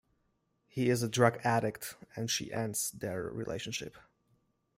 He is a drug addict and she ends their relationship.